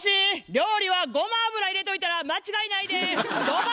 料理はごま油入れといたら間違いないで！